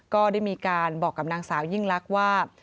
ก็ได้มีการบอกกับนางสาวยิ่งลักษณ์ว่า